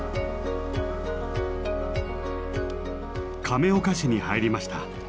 亀岡市に入りました。